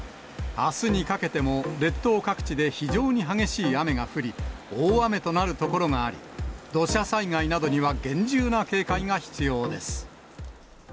あすにかけても、列島各地で非常に激しい雨が降り、大雨となる所があり、土砂災害などには厳重な警戒が必要です。